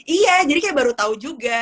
iya jadi kayak baru tahu juga